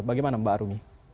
bagaimana mbak rumi